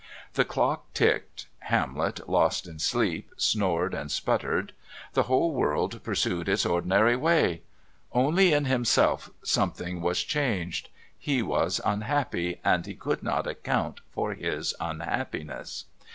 The clock ticked. Hamlet, lost in sleep, snored and sputtered; the whole world pursued its ordinary way. Only in himself something was changed; he was unhappy, and he could not account for his unhappiness.